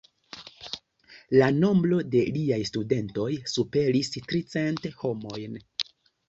La nombro de liaj studentoj superis tricent homojn.